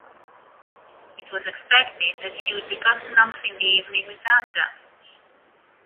It was expected that she would be gotten off in the evening without damage.